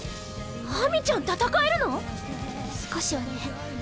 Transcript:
ハミちゃん戦えるの⁉少しはね。